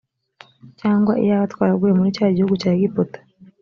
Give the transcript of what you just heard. cyangwa iyaba twaraguye muri cya gihugu cya egiputa